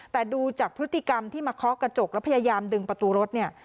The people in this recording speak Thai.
แต่ดูจากพฤติกรรมที่มาเคาะกระจกแล้วพยายามดึงประตูรถเนี่ย